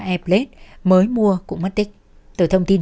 e plate mới mua cũng mất tích từ thông tin